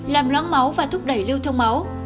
làm loáng máu và thúc đẩy lưu thông máu